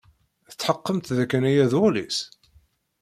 Tetḥeqqemt dakken aya d uɣlis?